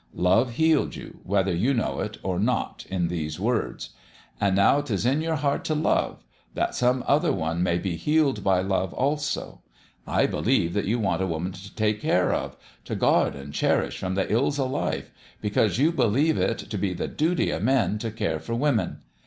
Love healed you, whether you know it or not in these words ; an' now 'tis in your heart t' love, that some other one may be healed by Love, also. I believe that you want a woman t' take care of t' guard an' cherish from the ills o' life because you believe it t' be the duty o' men t' care for women.